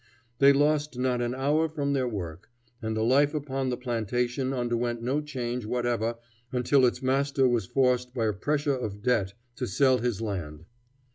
They lost not an hour from their work, and the life upon the plantation underwent no change whatever until its master was forced by a pressure of debt to sell his land.